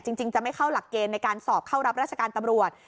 จริงจะไม่เข้าหลักเกณฑ์ในการสอบเข้ารับราชการตำรวจ